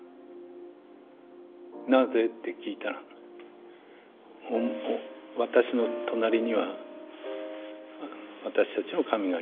なぜって聞いたら私の隣には私たちの神がいる。